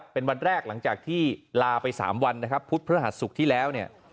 เป็นวันแรกหลังจากที่ลาไป๓วันนะครับพุธพระหัสศุกร์ที่แล้วเนี่ย